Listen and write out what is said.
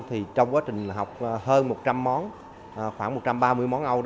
thì trong quá trình học hơn một trăm linh món khoảng một trăm ba mươi món ăn